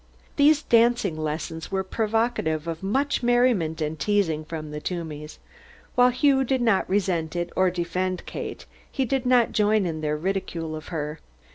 These dancing lessons were provocative of much merriment and teasing from the Toomeys. While Hugh did not resent it or defend Kate, he did not join in their ridicule of her.